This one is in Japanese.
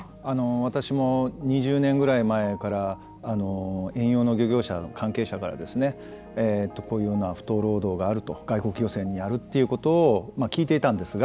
私も２０年ぐらい前から遠洋の漁業者、関係者からこういうような不当労働があると外国漁船にあるということを聞いていたんですが。